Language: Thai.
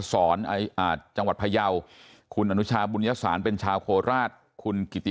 จังหวัดพยาวคุณอนุชาบุญยสารเป็นชาวโคราชคุณกิติ